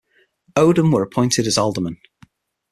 Odum were appointed as aldermen.